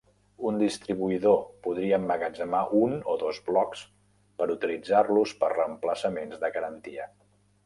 Un distribuïdor podria emmagatzemar un o dos blocs per utilitzar-los per reemplaçaments de garantia.